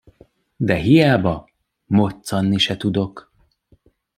De hiába, moccanni se tudok!